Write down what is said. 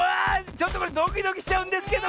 ちょっとこれドキドキしちゃうんですけど！